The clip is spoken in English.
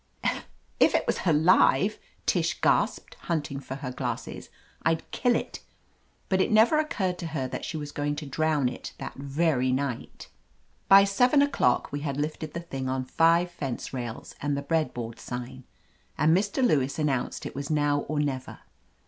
"If it was alive," Tish gasped, hunting for her glasses, "Fd kill it." But it never oc curred to her that she was going to drown it that very night ! By seven o'clock we had lifted the thing on five fence rails and the breadboard sign, and Mr. Lewis announced it was now or never.